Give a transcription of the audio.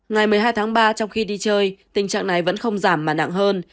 ngày một mươi hai tháng ba trong khi đi chơi tình trạng này vẫn không giảm mà nặng hơn